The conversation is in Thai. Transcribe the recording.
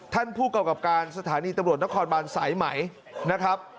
ท่านผู้กำกับการสถานีตำรวจนครบานสายไหมนะครับ